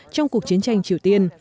trong cuộc chiến tranh triều tiên